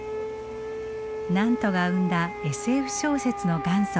ナントが生んだＳＦ小説の元祖